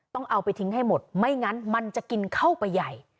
ต้องเอาไปทิ้งให้หมดไม่งั้นมันจะกินเข้าไปใหญ่